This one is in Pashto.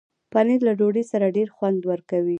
پنېر له ډوډۍ سره ډېر خوند ورکوي.